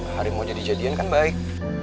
hari mau jadi jadian kan baik